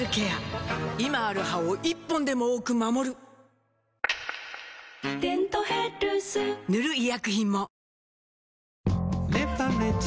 今ある歯を１本でも多く守る「デントヘルス」塗る医薬品も